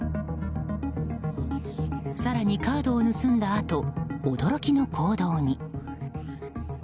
更にカードを盗んだあと驚きの行動に。